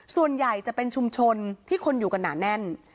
ส่วนใหญ่จะเป็นชุมชนที่คนอยู่กันหนาแน่น